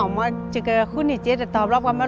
ถ้าเจอกับคุณอาจจะตอบรับคำว่า